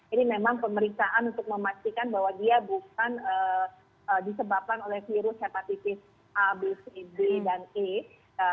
ini memang pemeriksaan untuk memastikan bahwa dia bukan disebabkan oleh virus hepatitis a b c d dan e